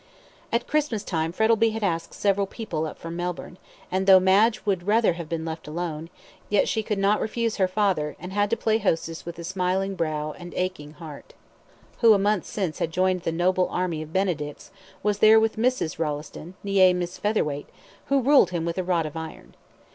At Christmas time Mr. Frettlby had asked several people up from Melbourne, and though Madge would rather have been left alone, yet she could not refuse her father, and had to play hostess with a smiling brow and aching heart. Felix Rolleston, who a month since had joined the noble army of benedicts, was there with Mrs. Rolleston, NEE Miss Featherweight, who ruled him with a rod of iron.